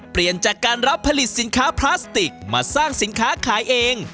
เปลี่ยนจากการรับผลิตสินค้าพลาสติกมาสร้างสินค้าขายเอง